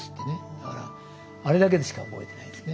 だからあれだけしか覚えてないですね。